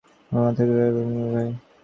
আমার মাথা ঘোরায় আর বমির ভাব হয়।